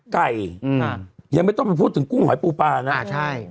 ไก่อืมอ่ายังไม่ต้องไปพูดถึงกุ้งหอยปูปลานะอ่าใช่